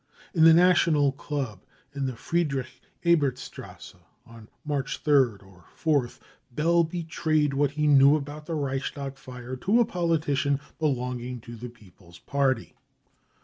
In the National Club in the Friedrich Ebertstrasse, on March 3rd or 4th, Bell betrayed what he knew about the Reichstag fire to a politician belonging to the People's Party.